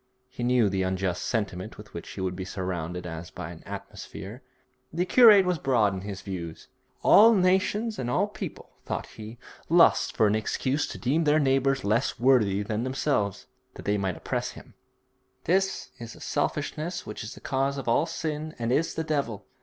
He knew the unjust sentiment with which he would be surrounded as by an atmosphere. The curate was broad in his views. 'All nations and all people,' thought he, 'lust for an excuse to deem their neighbour less worthy than themselves, that they may oppress him. This is the selfishness which is the cause of all sin and is the devil.'